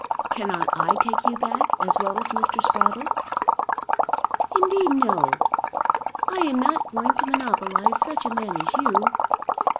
"Cannot I take you back as well as Mr. Sprottle?" "Indeed no; I am not going to monopolise such a man as you.